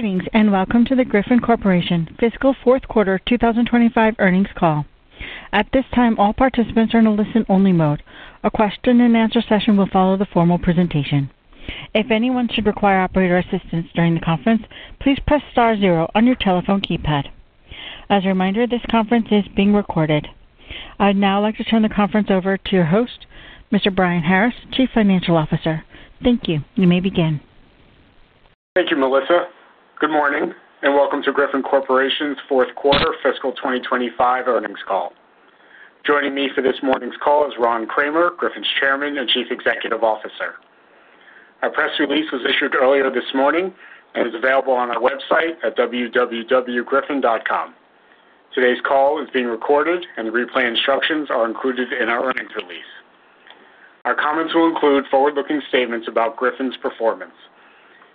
Greetings and welcome to the Griffon Corporation Fiscal Fourth Quarter 2025 earnings call. At this time, all participants are in a listen-only mode. A question-and-answer session will follow the formal presentation. If anyone should require operator assistance during the conference, please press star zero on your telephone keypad. As a reminder, this conference is being recorded. I'd now like to turn the conference over to your host, Mr. Brian Harris, Chief Financial Officer. Thank you. You may begin. Thank you, Melissa. Good morning and welcome to Griffon Corporation's Fourth Quarter Fiscal 2025 earnings call. Joining me for this morning's call is Ron Kramer, Griffon's Chairman and Chief Executive Officer. Our press release was issued earlier this morning and is available on our website at www.griffon.com. Today's call is being recorded, and the replay instructions are included in our earnings release. Our comments will include forward-looking statements about Griffon's performance.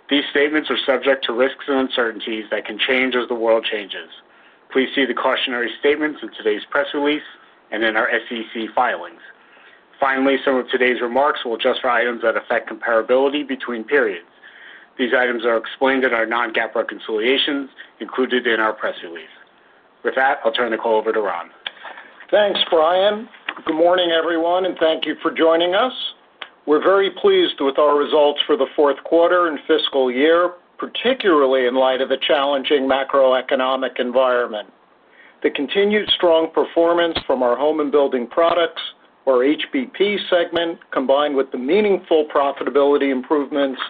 These statements are subject to risks and uncertainties that can change as the world changes. Please see the cautionary statements in today's press release and in our SEC filings. Finally, some of today's remarks will address items that affect comparability between periods. These items are explained in our non-GAAP reconciliations included in our press release. With that, I'll turn the call over to Ron. Thanks, Brian. Good morning, everyone, and thank you for joining us. We're very pleased with our results for the fourth quarter and fiscal year, particularly in light of the challenging macroeconomic environment. The continued strong performance from our home and building products, or HBP segment, combined with the meaningful profitability improvements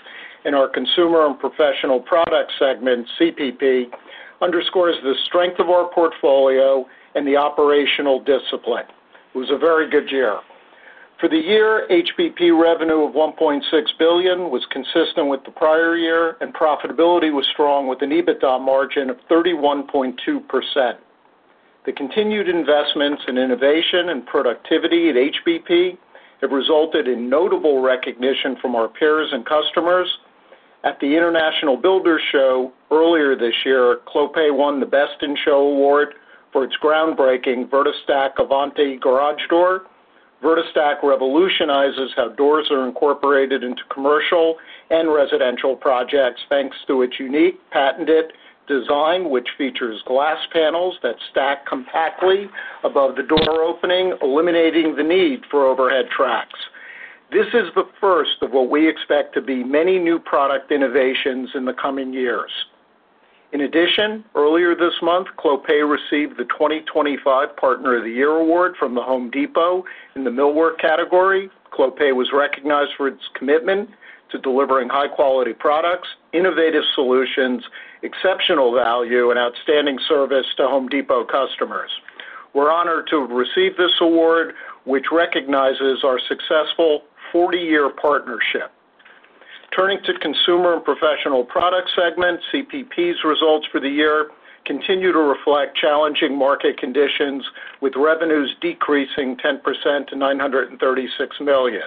in our consumer and professional product segment, CPP, underscores the strength of our portfolio and the operational discipline. It was a very good year. For the year, HBP revenue of $1.6 billion was consistent with the prior year, and profitability was strong with an EBITDA margin of 31.2%. The continued investments in innovation and productivity at HBP have resulted in notable recognition from our peers and customers. At the International Builders Show earlier this year, Clopay won the Best in Show Award for its groundbreaking VerdiStack Avante Garage Door. VerdiStack revolutionizes how doors are incorporated into commercial and residential projects thanks to its unique patented design, which features glass panels that stack compactly above the door opening, eliminating the need for overhead tracks. This is the first of what we expect to be many new product innovations in the coming years. In addition, earlier this month, Clopay received the 2025 Partner of the Year Award from Home Depot in the millwork category. Clopay was recognized for its commitment to delivering high-quality products, innovative solutions, exceptional value, and outstanding service to Home Depot customers. We're honored to have received this award, which recognizes our successful 40-year partnership. Turning to consumer and professional product segments, CPP's results for the year continue to reflect challenging market conditions, with revenues decreasing 10% to $936 million.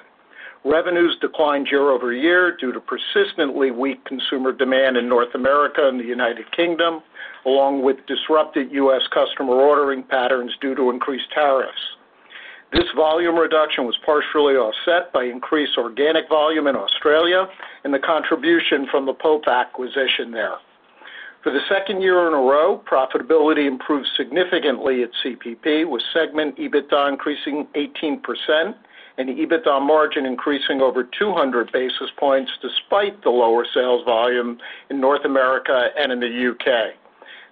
Revenues declined year-over-year due to persistently weak consumer demand in North America and the U.K., along with disrupted U.S. customer ordering patterns due to increased tariffs. This volume reduction was partially offset by increased organic volume in Australia and the contribution from the Pope acquisition there. For the second year in a row, profitability improved significantly at CPP, with segment EBITDA increasing 18% and EBITDA margin increasing over 200 basis points despite the lower sales volume in North America and in the U.K.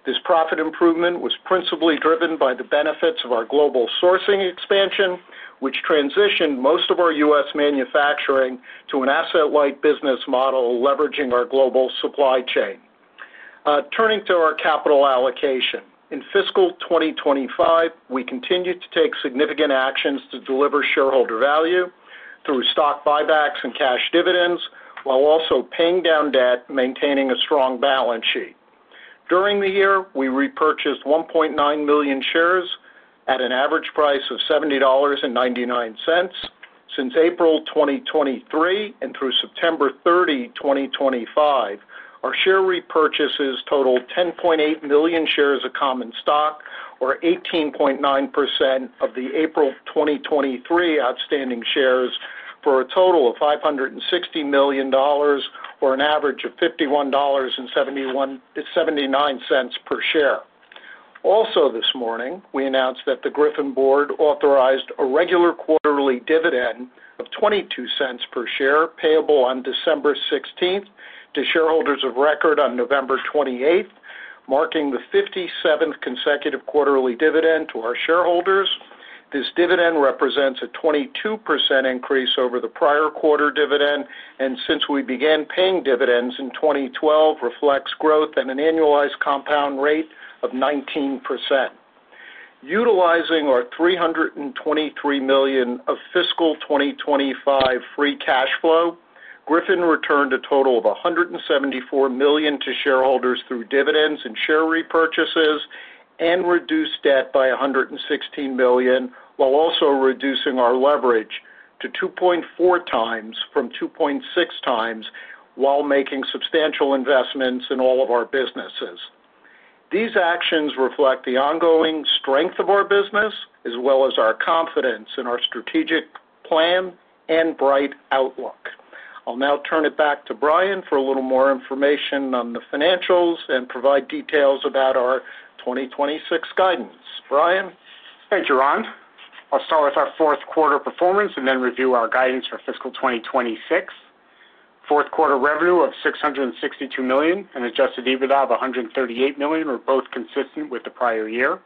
This profit improvement was principally driven by the benefits of our global sourcing expansion, which transitioned most of our U.S. manufacturing to an asset-light business model, leveraging our global supply chain. Turning to our capital allocation, in fiscal 2025, we continued to take significant actions to deliver shareholder value through stock buybacks and cash dividends, while also paying down debt and maintaining a strong balance sheet. During the year, we repurchased 1.9 million shares at an average price of $70.99. Since April 2023 and through September 30, 2025, our share repurchases totaled 10.8 million shares of common stock, or 18.9% of the April 2023 outstanding shares, for a total of $560 million, or an average of $51.79 per share. Also this morning, we announced that the Griffon Board authorized a regular quarterly dividend of $0.22 per share, payable on December 16th, to shareholders of record on November 28th, marking the 57th consecutive quarterly dividend to our shareholders. This dividend represents a 22% increase over the prior quarter dividend, and since we began paying dividends in 2012, reflects growth at an annualized compound rate of 19%. Utilizing our $323 million of fiscal 2025 free cash flow, Griffon returned a total of $174 million to shareholders through dividends and share repurchases and reduced debt by $116 million, while also reducing our leverage to 2.4 times from 2.6 times, while making substantial investments in all of our businesses. These actions reflect the ongoing strength of our business, as well as our confidence in our strategic plan and bright outlook. I'll now turn it back to Brian for a little more information on the financials and provide details about our 2026 guidance. Brian? Thank you, Ron. I'll start with our fourth quarter performance and then review our guidance for fiscal 2026. Fourth quarter revenue of $662 million and adjusted EBITDA of $138 million were both consistent with the prior year.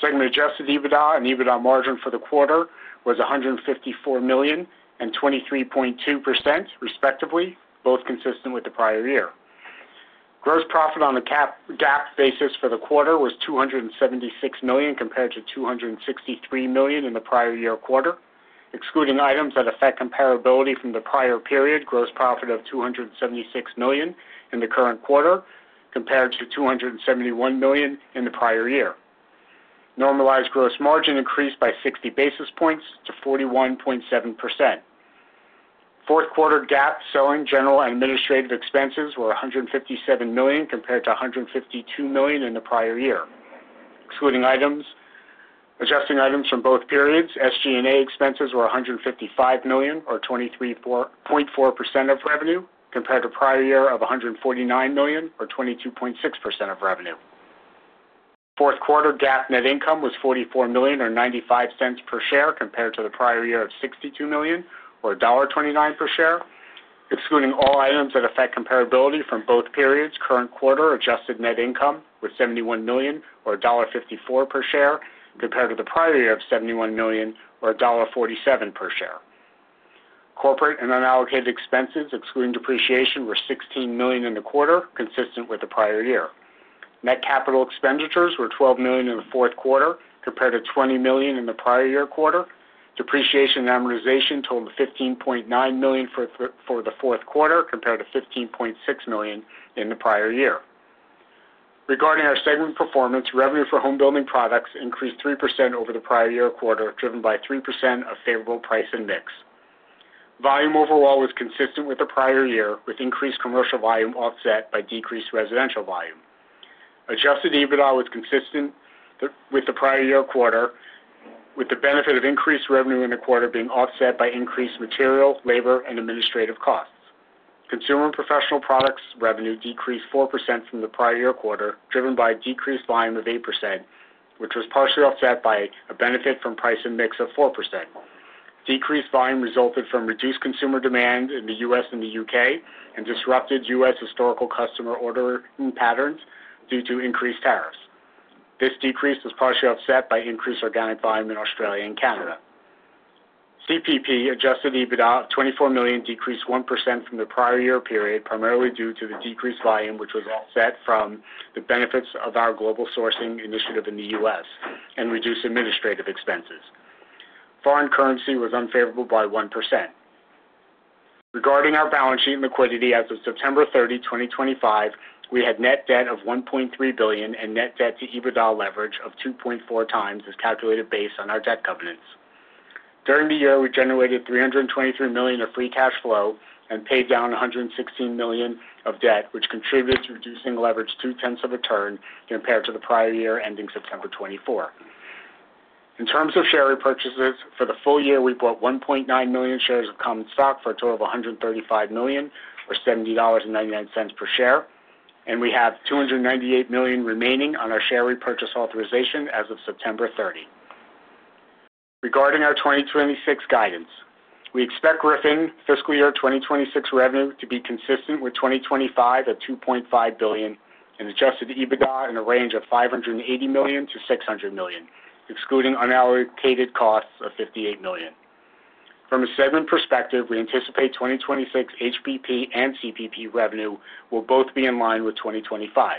Segment adjusted EBITDA and EBITDA margin for the quarter was $154 million and 23.2%, respectively, both consistent with the prior year. Gross profit on a GAAP basis for the quarter was $276 million compared to $263 million in the prior year quarter. Excluding items that affect comparability from the prior period, gross profit of $276 million in the current quarter compared to $271 million in the prior year. Normalized gross margin increased by 60 basis points to 41.7%. Fourth quarter GAAP selling, general and administrative expenses were $157 million compared to $152 million in the prior year. Excluding items, adjusting items from both periods, SG&A expenses were $155 million, or 23.4% of revenue, compared to prior year of $149 million, or 22.6% of revenue. Fourth quarter GAAP net income was $44.95 per share compared to the prior year of $62 million, or $1.29 per share. Excluding all items that affect comparability from both periods, current quarter adjusted net income was $71 million, or $1.54 per share, compared to the prior year of $71 million, or $1.47 per share. Corporate and unallocated expenses, excluding depreciation, were $16 million in the quarter, consistent with the prior year. Net capital expenditures were $12 million in the fourth quarter, compared to $20 million in the prior year quarter. Depreciation and amortization totaled $15.9 million for the fourth quarter, compared to $15.6 million in the prior year. Regarding our segment performance, revenue for Home and Building Products increased 3% over the prior year quarter, driven by 3% of favorable price index. Volume overall was consistent with the prior year, with increased commercial volume offset by decreased residential volume. Adjusted EBITDA was consistent with the prior year quarter, with the benefit of increased revenue in the quarter being offset by increased material, labor, and administrative costs. Consumer and Professional Products revenue decreased 4% from the prior year quarter, driven by decreased volume of 8%, which was partially offset by a benefit from price index of 4%. Decreased volume resulted from reduced consumer demand in the U.S. and the U.K. and disrupted U.S. historical customer ordering patterns due to increased tariffs. This decrease was partially offset by increased organic volume in Australia and Canada. CPP adjusted EBITDA of $24 million decreased 1% from the prior year period, primarily due to the decreased volume, which was offset from the benefits of our global sourcing initiative in the U.S. and reduced administrative expenses. Foreign currency was unfavorable by 1%. Regarding our balance sheet and liquidity, as of September 30, 2025, we had net debt of $1.3 billion and net debt to EBITDA leverage of 2.4 times, as calculated based on our debt covenants. During the year, we generated $323 million of free cash flow and paid down $116 million of debt, which contributed to reducing leverage two-tenths of a turn compared to the prior year ending September 2024. In terms of share repurchases, for the full year, we bought 1.9 million shares of common stock for a total of $135 million, or $70.99 per share, and we have $298 million remaining on our share repurchase authorization as of September 30. Regarding our 2026 guidance, we expect Griffon fiscal year 2026 revenue to be consistent with 2025 at $2.5 billion and adjusted EBITDA in a range of $580 million-$600 million, excluding unallocated costs of $58 million. From a segment perspective, we anticipate 2026 HBP and CPP revenue will both be in line with 2025.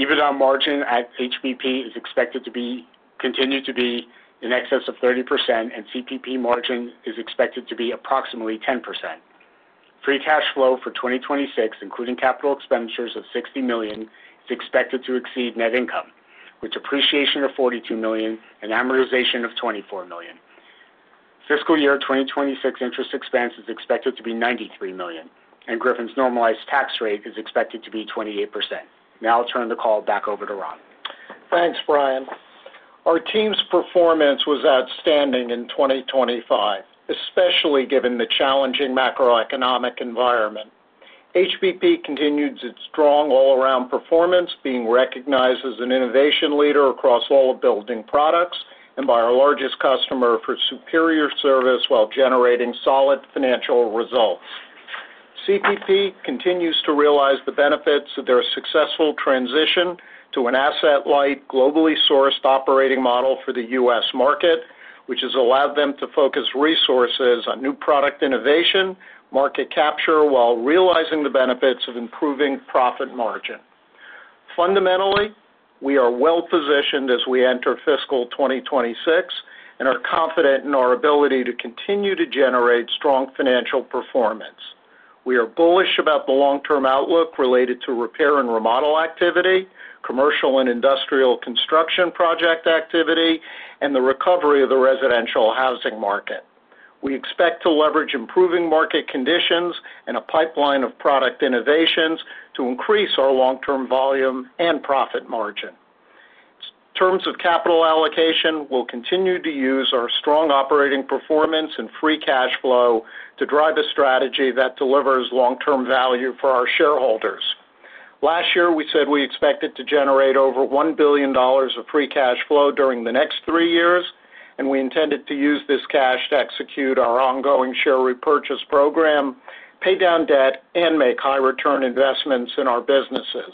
EBITDA margin at HBP is expected to continue to be in excess of 30%, and CPP margin is expected to be approximately 10%. Free cash flow for 2026, including capital expenditures of $60 million, is expected to exceed net income, with depreciation of $42 million and amortization of $24 million. Fiscal year 2026 interest expense is expected to be $93 million, and Griffon's normalized tax rate is expected to be 28%. Now I'll turn the call back over to Ron. Thanks, Brian. Our team's performance was outstanding in 2025, especially given the challenging macroeconomic environment. HBP continues its strong all-around performance, being recognized as an innovation leader across all of building products and by our largest customer for superior service while generating solid financial results. CPP continues to realize the benefits of their successful transition to an asset-light globally sourced operating model for the U.S. market, which has allowed them to focus resources on new product innovation, market capture, while realizing the benefits of improving profit margin. Fundamentally, we are well positioned as we enter fiscal 2026 and are confident in our ability to continue to generate strong financial performance. We are bullish about the long-term outlook related to repair and remodel activity, commercial and industrial construction project activity, and the recovery of the residential housing market. We expect to leverage improving market conditions and a pipeline of product innovations to increase our long-term volume and profit margin. In terms of capital allocation, we'll continue to use our strong operating performance and free cash flow to drive a strategy that delivers long-term value for our shareholders. Last year, we said we expected to generate over $1 billion of free cash flow during the next three years, and we intended to use this cash to execute our ongoing share repurchase program, pay down debt, and make high-return investments in our businesses.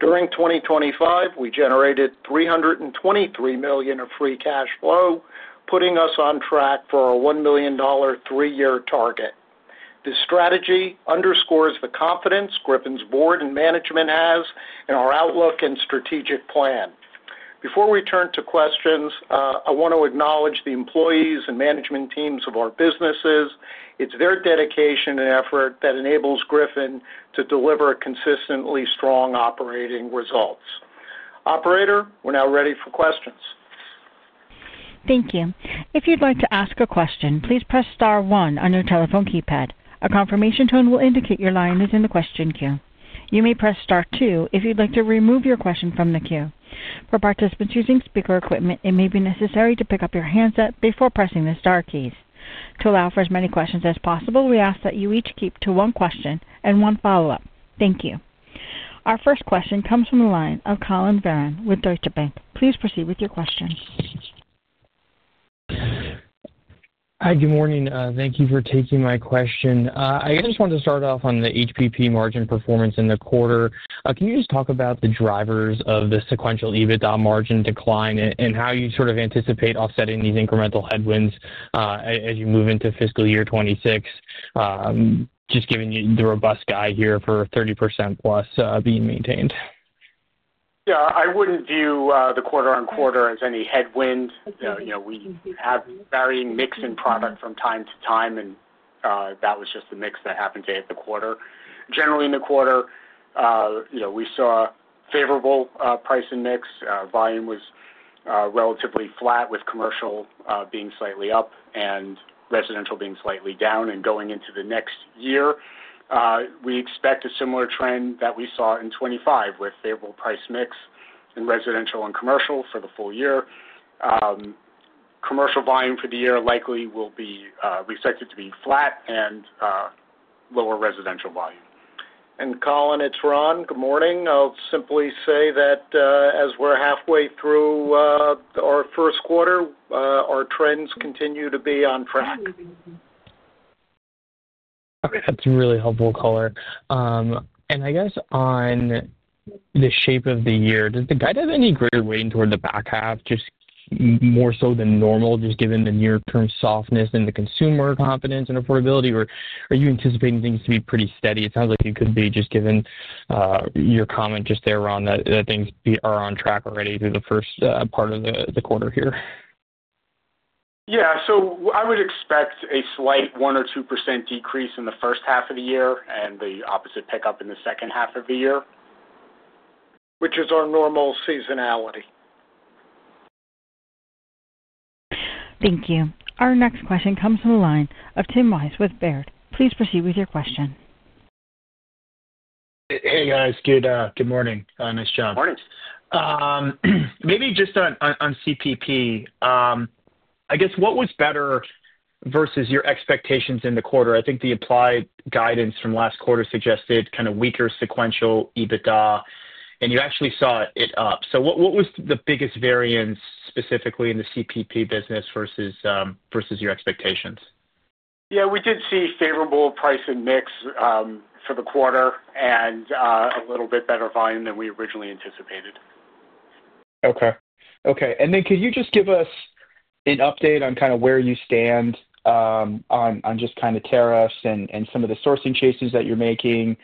During 2025, we generated $323 million of free cash flow, putting us on track for our $1 billion three-year target. This strategy underscores the confidence Griffon's board and management has in our outlook and strategic plan. Before we turn to questions, I want to acknowledge the employees and management teams of our businesses. It's their dedication and effort that enables Griffon to deliver consistently strong operating results. Operator, we're now ready for questions. Thank you. If you'd like to ask a question, please press Star 1 on your telephone keypad. A confirmation tone will indicate your line is in the question queue. You may press Star 2 if you'd like to remove your question from the queue. For participants using speaker equipment, it may be necessary to pick up your handset before pressing the Star keys. To allow for as many questions as possible, we ask that you each keep to one question and one follow-up. Thank you. Our first question comes from the line of Collin Verron with Deutsche Bank. Please proceed with your question. Hi, good morning. Thank you for taking my question. I just wanted to start off on the HBP margin performance in the quarter. Can you just talk about the drivers of the sequential EBITDA margin decline and how you sort of anticipate offsetting these incremental headwinds as you move into fiscal year 2026, just given the robust guide here for 30%+ being maintained? Yeah, I wouldn't view the quarter-on-quarter as any headwind. We have varying mix in product from time to time, and that was just the mix that happened to hit the quarter. Generally, in the quarter, we saw favorable price index. Volume was relatively flat, with commercial being slightly up and residential being slightly down. Going into the next year, we expect a similar trend that we saw in 2025 with favorable price mix in residential and commercial for the full year. Commercial volume for the year likely will be expected to be flat and lower residential volume. Colin, it's Ron. Good morning. I'll simply say that as we're halfway through our first quarter, our trends continue to be on track. That's a really helpful color. I guess on the shape of the year, does the guide have any greater weight toward the back half, just more so than normal, just given the near-term softness and the consumer confidence and affordability, or are you anticipating things to be pretty steady? It sounds like it could be just given your comment just there on that things are on track already through the first part of the quarter here. Yeah, so I would expect a slight 1% or 2% decrease in the first half of the year and the opposite pickup in the second half of the year, which is our normal seasonality. Thank you. Our next question comes from the line of Tim Wojs with Baird. Please proceed with your question. Hey, guys. Good morning. Nice job. Morning. Maybe just on CPP, I guess what was better versus your expectations in the quarter? I think the applied guidance from last quarter suggested kind of weaker sequential EBITDA, and you actually saw it up. What was the biggest variance specifically in the CPP business versus your expectations? Yeah, we did see favorable price index for the quarter and a little bit better volume than we originally anticipated. Okay. Okay. Could you just give us an update on kind of where you stand on just kind of tariffs and some of the sourcing choices that you're making?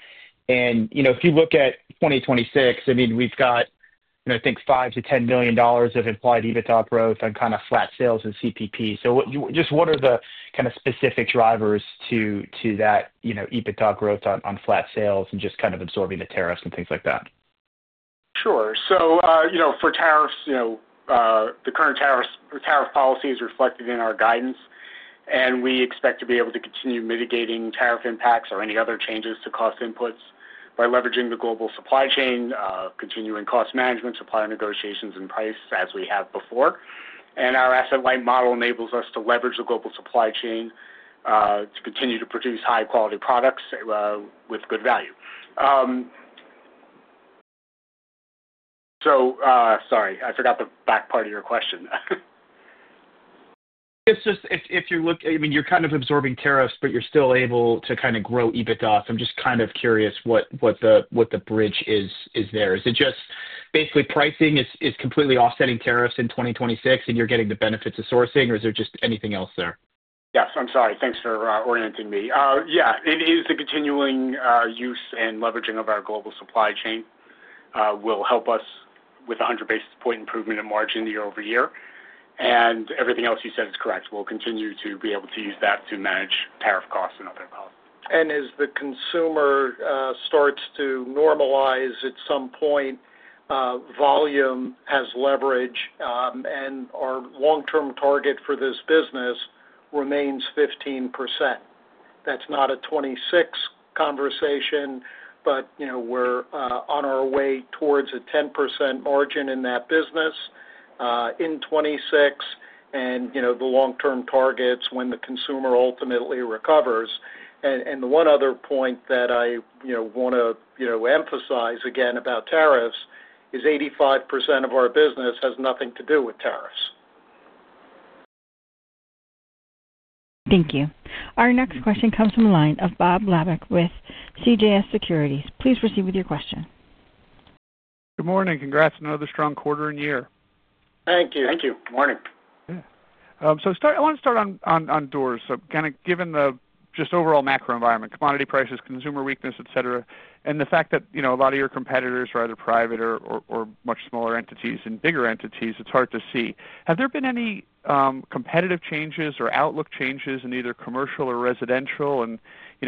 If you look at 2026, I mean, we've got, I think, $5-$10 million of implied EBITDA growth on kind of flat sales in CPP. Just what are the kind of specific drivers to that EBITDA growth on flat sales and just kind of absorbing the tariffs and things like that? Sure. For tariffs, the current tariff policy is reflected in our guidance, and we expect to be able to continue mitigating tariff impacts or any other changes to cost inputs by leveraging the global supply chain, continuing cost management, supplier negotiations, and price as we have before. Our asset-light model enables us to leverage the global supply chain to continue to produce high-quality products with good value. Sorry, I forgot the back part of your question. I guess just if you're looking, I mean, you're kind of absorbing tariffs, but you're still able to kind of grow EBITDA. So I'm just kind of curious what the bridge is there. Is it just basically pricing is completely offsetting tariffs in 2026, and you're getting the benefits of sourcing, or is there just anything else there? Yes. I'm sorry. Thanks for orienting me. Yeah, it is the continuing use and leveraging of our global supply chain will help us with 100 basis point improvement in margin year-over-year. Everything else you said is correct. We'll continue to be able to use that to manage tariff costs and other costs. As the consumer starts to normalize at some point, volume has leverage, and our long-term target for this business remains 15%. That is not a 2026 conversation, but we are on our way towards a 10% margin in that business in 2026 and the long-term targets when the consumer ultimately recovers. The one other point that I want to emphasize again about tariffs is 85% of our business has nothing to do with tariffs. Thank you. Our next question comes from the line of Bob Laback with CJS Securities. Please proceed with your question. Good morning. Congrats on another strong quarter and year. Thank you. Thank you. Good morning. Yeah. I want to start on doors. Kind of given the just overall macro environment, commodity prices, consumer weakness, etc., and the fact that a lot of your competitors are either private or much smaller entities and bigger entities, it's hard to see. Have there been any competitive changes or outlook changes in either commercial or residential?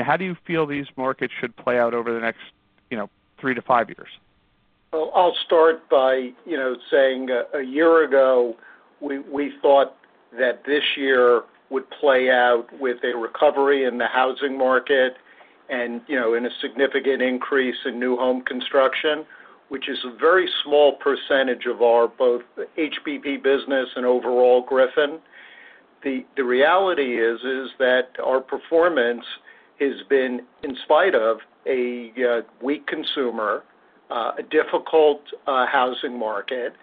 How do you feel these markets should play out over the next three to five years? I'll start by saying a year ago, we thought that this year would play out with a recovery in the housing market and a significant increase in new home construction, which is a very small percentage of our both HBP business and overall Griffon. The reality is that our performance has been, in spite of a weak consumer, a difficult housing market,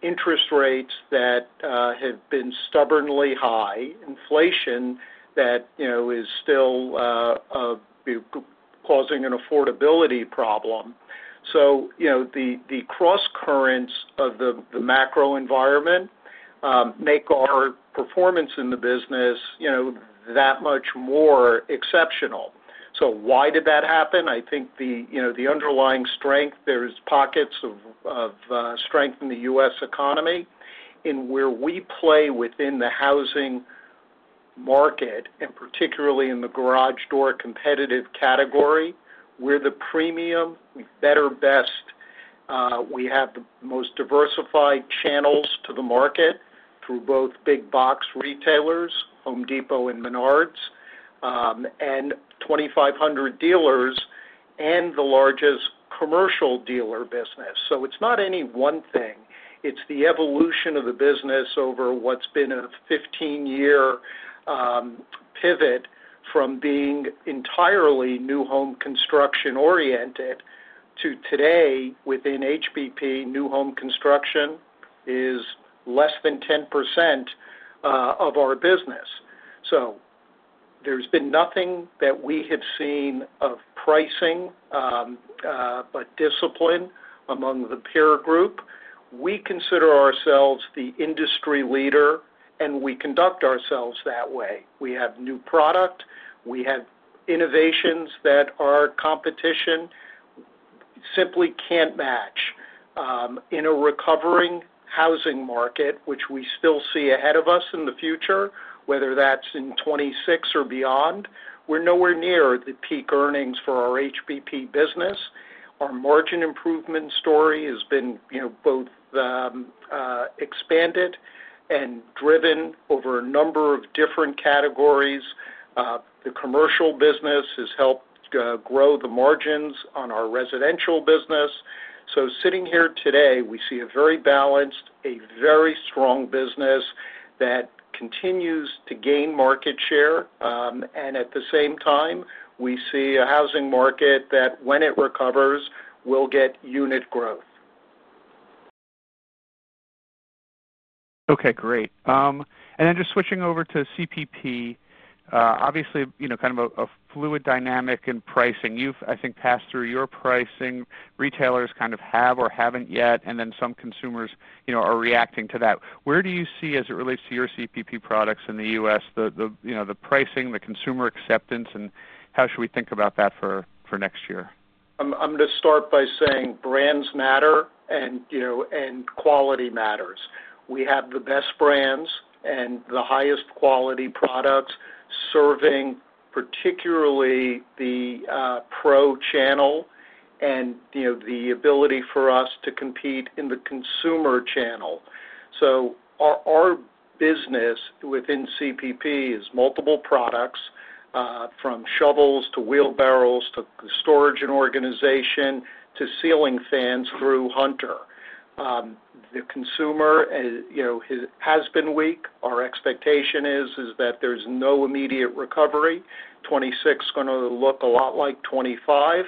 interest rates that have been stubbornly high, inflation that is still causing an affordability problem. The cross currents of the macro environment make our performance in the business that much more exceptional. Why did that happen? I think the underlying strength, there's pockets of strength in the U.S. Economy in where we play within the housing market, and particularly in the garage door competitive category, where the premium, we better best, we have the most diversified channels to the market through both big box retailers, Home Depot and Menards, and 2,500 dealers and the largest commercial dealer business. It is not any one thing. It is the evolution of the business over what has been a 15-year pivot from being entirely new home construction oriented to today, within HBP, new home construction is less than 10% of our business. There has been nothing that we have seen of pricing, but discipline among the peer group. We consider ourselves the industry leader, and we conduct ourselves that way. We have new product. We have innovations that our competition simply cannot match. In a recovering housing market, which we still see ahead of us in the future, whether that's in 2026 or beyond, we're nowhere near the peak earnings for our HBP business. Our margin improvement story has been both expanded and driven over a number of different categories. The commercial business has helped grow the margins on our residential business. Sitting here today, we see a very balanced, a very strong business that continues to gain market share. At the same time, we see a housing market that when it recovers, we'll get unit growth. Okay. Great. Just switching over to CPP, obviously kind of a fluid dynamic in pricing. You've, I think, passed through your pricing. Retailers kind of have or haven't yet, and then some consumers are reacting to that. Where do you see, as it relates to your CPP products in the U.S., the pricing, the consumer acceptance, and how should we think about that for next year? I'm going to start by saying brands matter and quality matters. We have the best brands and the highest quality products serving particularly the pro channel and the ability for us to compete in the consumer channel. Our business within CPP is multiple products from shovels to wheelbarrows to storage and organization to ceiling fans through Hunter. The consumer has been weak. Our expectation is that there's no immediate recovery. 2026 is going to look a lot like 2025.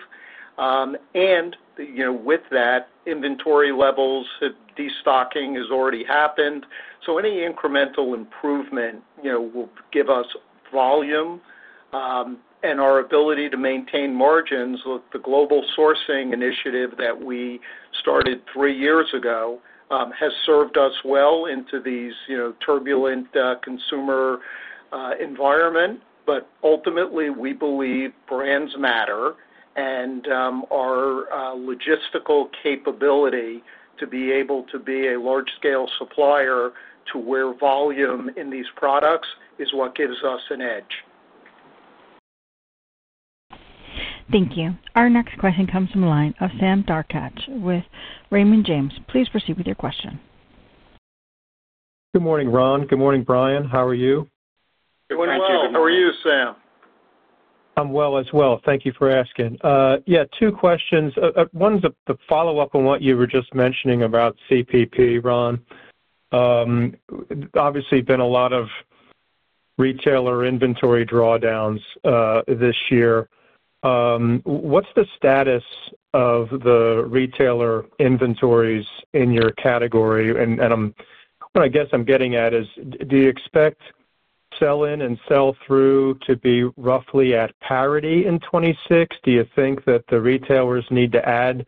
With that, inventory levels have destocking has already happened. Any incremental improvement will give us volume. Our ability to maintain margins, the global sourcing initiative that we started three years ago has served us well into these turbulent consumer environment. Ultimately, we believe brands matter and our logistical capability to be able to be a large-scale supplier to where volume in these products is what gives us an edge. Thank you. Our next question comes from the line of Sam Darkatsh with Raymond James. Please proceed with your question. Good morning, Ron. Good morning, Brian. How are you? Thank you. [audio distotion] Very well. How are you, Sam? I'm well as well. Thank you for asking. Yeah, two questions. One's a follow-up on what you were just mentioning about CPP, Ron. Obviously, there have been a lot of retailer inventory drawdowns this year. What's the status of the retailer inventories in your category? What I guess I'm getting at is, do you expect sell-in and sell-through to be roughly at parity in 2026? Do you think that the retailers need to add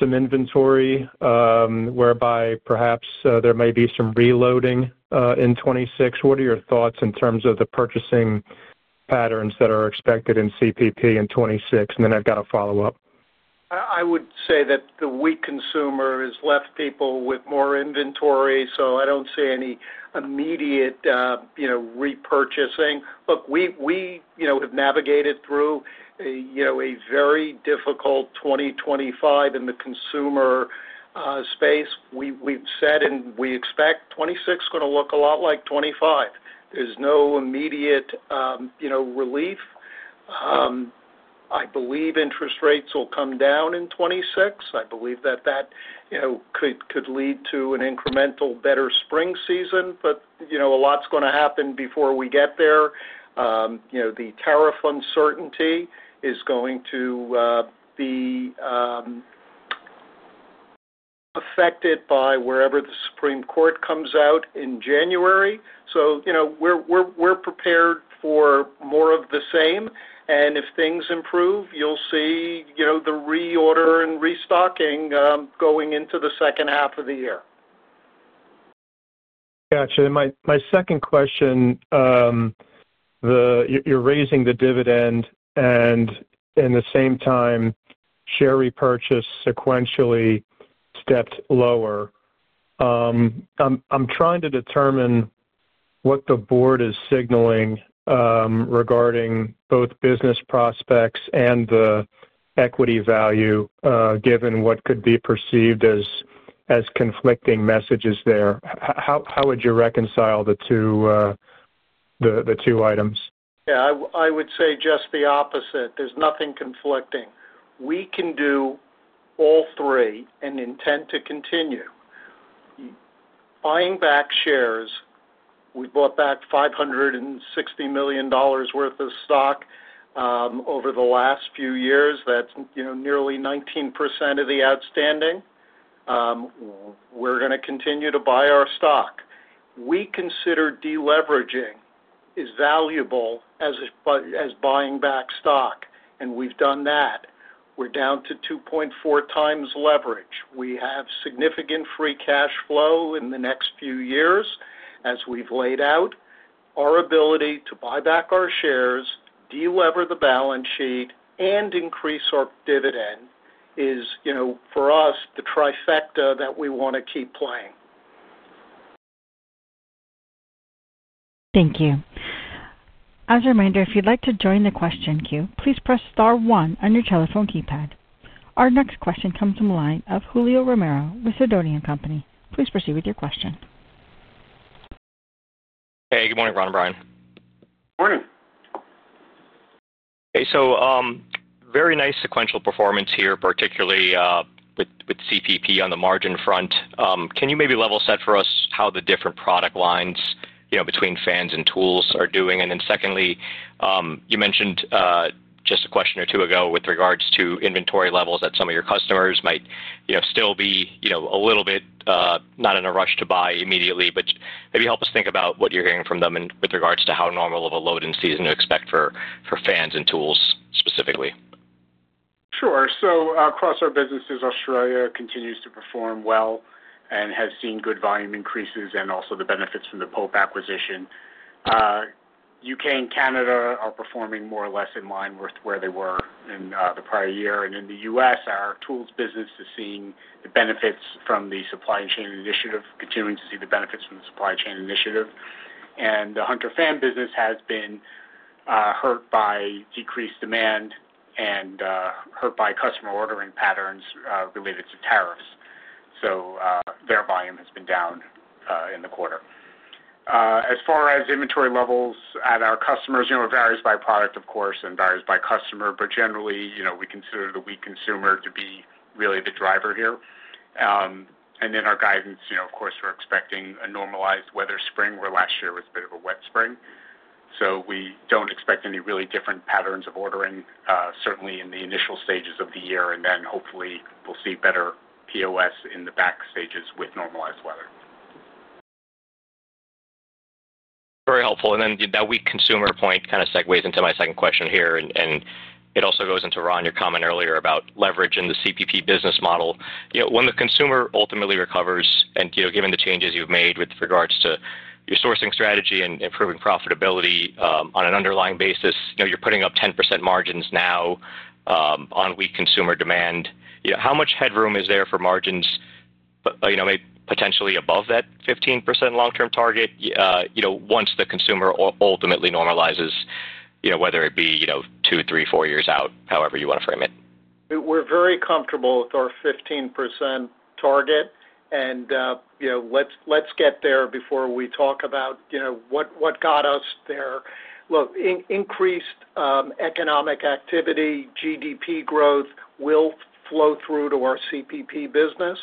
some inventory whereby perhaps there may be some reloading in 2026? What are your thoughts in terms of the purchasing patterns that are expected in CPP in 2026? I have a follow-up. I would say that the weak consumer has left people with more inventory, so I do not see any immediate repurchasing. Look, we have navigated through a very difficult 2025 in the consumer space. We have said and we expect 2026 is going to look a lot like 2025. There is no immediate relief. I believe interest rates will come down in 2026. I believe that that could lead to an incremental better spring season, but a lot is going to happen before we get there. The tariff uncertainty is going to be affected by wherever the Supreme Court comes out in January. We are prepared for more of the same. If things improve, you will see the reorder and restocking going into the second half of the year. Gotcha. My second question, you're raising the dividend and at the same time, share repurchase sequentially stepped lower. I'm trying to determine what the board is signaling regarding both business prospects and the equity value given what could be perceived as conflicting messages there. How would you reconcile the two items? Yeah. I would say just the opposite. There's nothing conflicting. We can do all three and intend to continue. Buying back shares, we bought back $560 million worth of stock over the last few years. That's nearly 19% of the outstanding. We're going to continue to buy our stock. We consider deleveraging as valuable as buying back stock, and we've done that. We're down to 2.4 times leverage. We have significant free cash flow in the next few years as we've laid out. Our ability to buy back our shares, delever the balance sheet, and increase our dividend is, for us, the trifecta that we want to keep playing. Thank you. As a reminder, if you'd like to join the question queue, please press star one on your telephone keypad. Our next question comes from the line of Julio Romero with Sidoti & Company. Please proceed with your question. Hey, good morning, Ron and Brian. Morning. Okay. Very nice sequential performance here, particularly with CPP on the margin front. Can you maybe level set for us how the different product lines between fans and tools are doing? Then, you mentioned just a question or two ago with regards to inventory levels that some of your customers might still be a little bit not in a rush to buy immediately, but maybe help us think about what you're hearing from them with regards to how normal of a load-in season to expect for fans and tools specifically. Sure. Across our businesses, Australia continues to perform well and has seen good volume increases and also the benefits from the Pope acquisition. The U.K. and Canada are performing more or less in line with where they were in the prior year. In the U.S., our tools business is seeing the benefits from the supply chain initiative, continuing to see the benefits from the supply chain initiative. The Hunter fan business has been hurt by decreased demand and hurt by customer ordering patterns related to tariffs. Their volume has been down in the quarter. As far as inventory levels at our customers, it varies by product, of course, and varies by customer, but generally, we consider the weak consumer to be really the driver here. In our guidance, of course, we're expecting a normalized weather spring, where last year was a bit of a wet spring. We don't expect any really different patterns of ordering, certainly in the initial stages of the year, and then hopefully we'll see better POS in the back stages with normalized weather. Very helpful. That weak consumer point kind of segues into my second question here, and it also goes into, Ron, your comment earlier about leverage in the CPP business model. When the consumer ultimately recovers and given the changes you've made with regards to your sourcing strategy and improving profitability on an underlying basis, you're putting up 10% margins now on weak consumer demand. How much headroom is there for margins potentially above that 15% long-term target once the consumer ultimately normalizes, whether it be two, three, four years out, however you want to frame it? We're very comfortable with our 15% target, and let's get there before we talk about what got us there. Look, increased economic activity, GDP growth will flow through to our CPP business.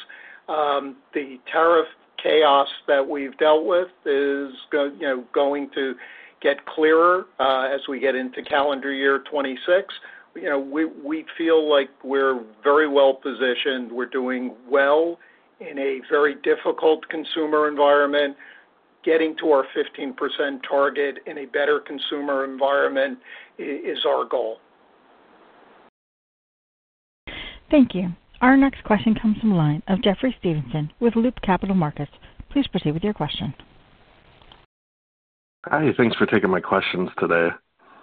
The tariff chaos that we've dealt with is going to get clearer as we get into calendar year 2026. We feel like we're very well positioned. We're doing well in a very difficult consumer environment. Getting to our 15% target in a better consumer environment is our goal. Thank you. Our next question comes from the line of Jeff Stevenson with Loop Capital Markets. Please proceed with your question. Hi. Thanks for taking my questions today.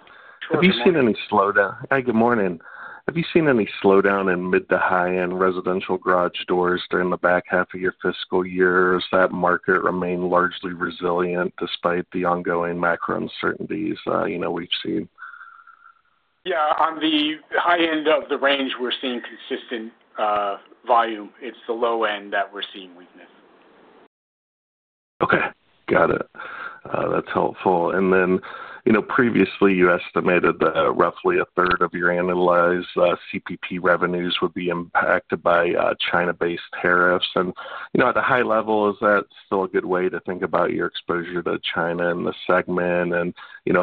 Have you seen any slowdown? Hi, good morning. Have you seen any slowdown in mid to high-end residential garage doors during the back half of your fiscal year, or has that market remained largely resilient despite the ongoing macro uncertainties we've seen? Yeah. On the high end of the range, we're seeing consistent volume. It's the low end that we're seeing weakness. Okay. Got it. That's helpful. Previously, you estimated that roughly a third of your analyzed CPP revenues would be impacted by China-based tariffs. At a high level, is that still a good way to think about your exposure to China in the segment?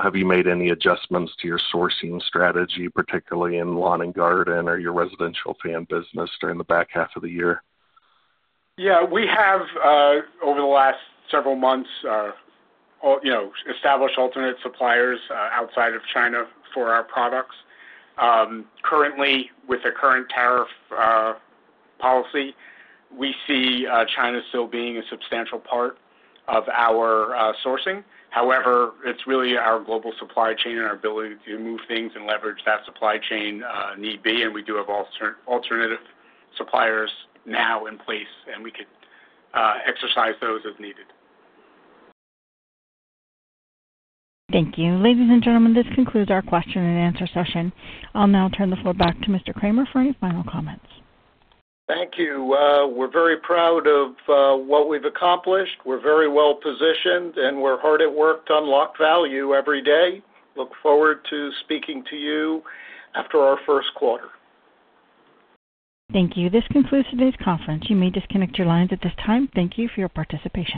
Have you made any adjustments to your sourcing strategy, particularly in lawn and garden or your residential fan business during the back half of the year? Yeah. We have, over the last several months, established alternate suppliers outside of China for our products. Currently, with the current tariff policy, we see China still being a substantial part of our sourcing. However, it's really our global supply chain and our ability to move things and leverage that supply chain need be. And we do have alternative suppliers now in place, and we could exercise those as needed. Thank you. Ladies and gentlemen, this concludes our question and answer session. I'll now turn the floor back to Mr. Kramer for any final comments. Thank you. We're very proud of what we've accomplished. We're very well positioned, and we're hard at work to unlock value every day. Look forward to speaking to you after our first quarter. Thank you. This concludes today's conference. You may disconnect your lines at this time. Thank you for your participation.